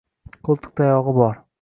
Qo’ltiqtayog’i bor